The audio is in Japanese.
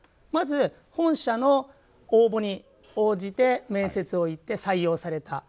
まず本社の応募に応じて面接に行って採用をされた。